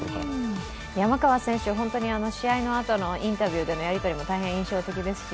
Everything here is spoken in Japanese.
山川選手、試合のあとのインタビューでのやり取りも印象的ですし